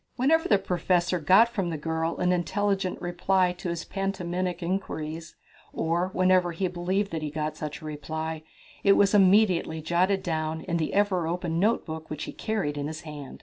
Whenever the professor got from the girl an intelligent reply to his pantomimic inquiries, or whenever he believed that he got such a reply, it was immediately jotted down in the ever open notebook which he carried in his hand.